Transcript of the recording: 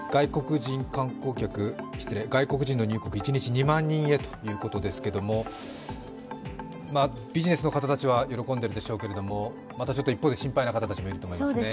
外国人の入国一日２万人へということですけれどもビジネスの方たちは喜んでいるでしょうけれども、またちょっと一方で、心配な方たちもいると思いますね。